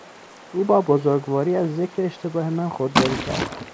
او با بزرگواری از ذکر اشتباه من خودداری کرد.